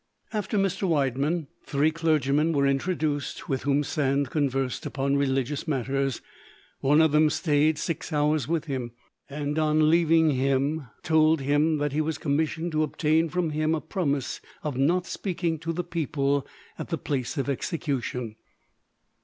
After Mr. Widemann, three clergymen were introduced, with whom Sand conversed upon religious matters: one of them stayed six hours with him, and on leaving him told him that he was commissioned to obtain from him a promise of not speaking to the people at the place of execution.